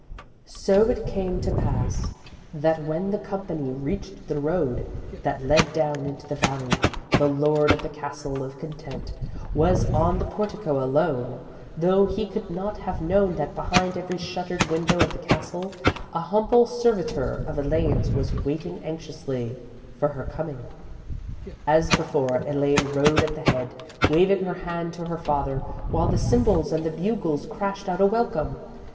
"_ _So it came to pass that when the company reached the road that led down into the valley, the Lord of the Castle of Content was on the portico alone, though he could not have known that behind every shuttered window of the Castle, a humble servitor of Elaine's was waiting anxiously for her coming._ _As before, Elaine rode at the head, waving her hand to her father, while the cymbals and the bugles crashed out a welcome.